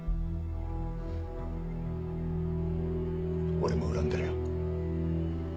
俺も恨んでるよ。